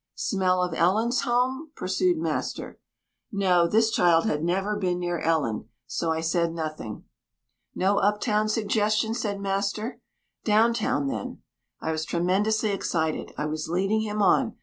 "Smell of Ellen's home?" pursued master. No, this child had never been near Ellen, so I said nothing. "No up town suggestion," said master. "Down town, then?" I was tremendously excited. I was leading him on.